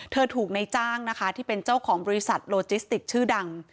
ถูกในจ้างนะคะที่เป็นเจ้าของบริษัทโลจิสติกชื่อดัง